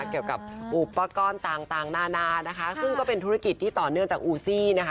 เกี่ยวกับอุปกรณ์ต่างต่างนานานะคะซึ่งก็เป็นธุรกิจที่ต่อเนื่องจากอูซี่นะคะ